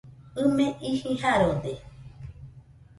ɨ me iji Jarode